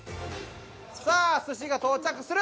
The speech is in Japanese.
さあ寿司が到着する。